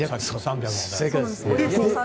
正解です。